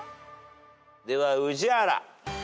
では宇治原。